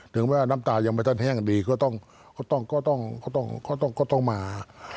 ถึงแม้น้ำตาลยังไม่ได้ต้องแห้งดีก็ต้องมา